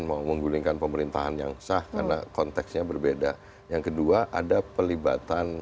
menggulingkan pemerintahan yang sah karena konteksnya berbeda yang kedua ada pelibatan